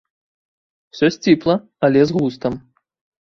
Усё сціпла, але з густам.